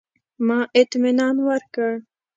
ما اطمنان ورکړ.